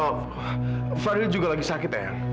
oh fadil juga lagi sakit ya